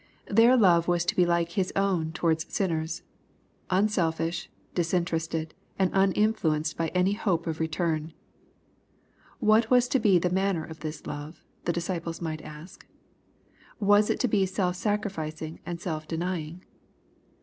Their love was to be like His own towards sin ners — unselfish, disinterested, and uninfluenced by any hope of return. — ^What was to be the manner of this love ? the disciples might ask. It was to be self sacri ficing and self denying.